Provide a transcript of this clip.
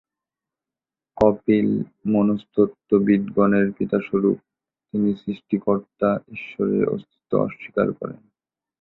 কপিল মনস্তত্ত্ববিদ্গণের পিতাস্বরূপ, তিনি সৃষ্টিকর্তা ঈশ্বরের অস্তিত্ব অস্বীকার করেন।